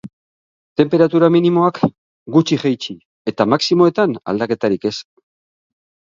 Tenperatura minimoak gutxi jaitsi eta maximoetan aldaketarik ez.